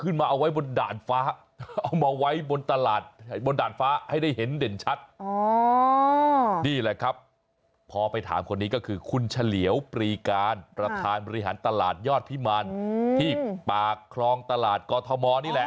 นี่แหละครับพอไปถามคนนี้ก็คือคุณเฉลียวปรีการประธานบริหารตลาดยอดพิมารที่ปากคลองตลาดกอทมนี่แหละ